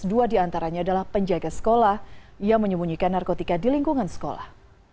dua diantaranya adalah penjaga sekolah yang menyembunyikan narkotika di lingkungan sekolah